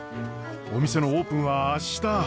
お店のオープンは明日。